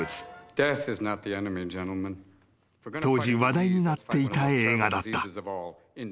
［当時話題になっていた映画だった］